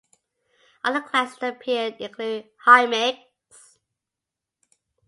Other classes that appeared include Hymeks.